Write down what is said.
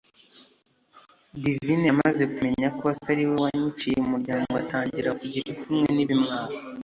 Divine yamaze kumenya ko se ariwe wanyiciye umuryango atangira kugira ipfunwe n’ibimwaro